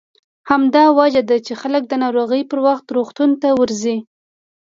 همدا وجه ده چې خلک د ناروغۍ پر وخت روغتون ته ورځي.